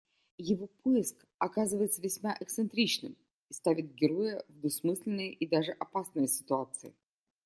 Его поиск оказывается весьма эксцентричным и ставит героя в двусмысленные и даже опасные ситуации.